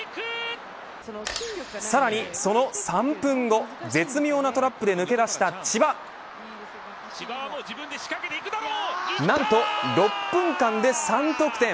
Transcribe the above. さらに、その３分後絶妙なトラップで抜け出した千葉何と６分間で３得点。